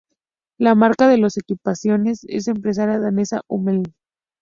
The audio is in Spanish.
La marca de las equipaciones es la empresa danesa Hummel.